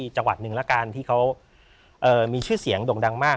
จังหวัดหนึ่งละกันที่เขามีชื่อเสียงด่งดังมาก